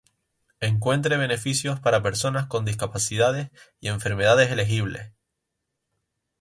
Encuentre beneficios para personas con discapacidades y enfermedades elegibles.